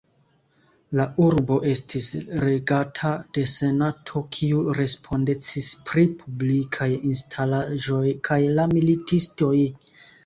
La urbo estis regata de Senato, kiu respondecis pri publikaj instalaĵoj kaj la militistoj.